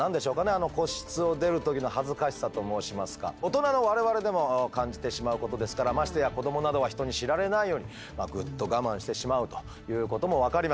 あの個室を出る時の恥ずかしさと申しますか大人の我々でも感じてしまうことですからましてや子どもなどは人に知られないようにグッと我慢してしまうということも分かります。